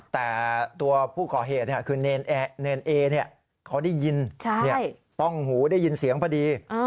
แต่ตัวผู้ก่อเหตุคือเนรเอเขาได้ยินต้องหูได้ยินเสียงพอดี